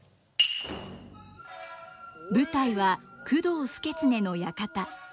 舞台は工藤祐経の館。